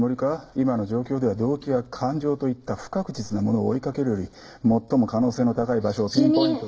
今の状況では動機や感情といった不確実なものを追いかけるより最も可能性の高い場所をピンポイントで。